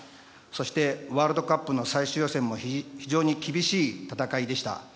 そしてワールドカップの最終予選も非常に厳しい戦いでした。